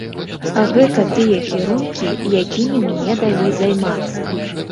Гэта тыя кірункі, якімі мне далі займацца.